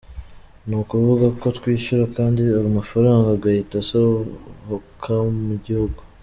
Ni ukuvuga ko twishyura kandi amafaranga agahita asohokamu gihugu.